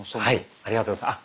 ありがとうございます。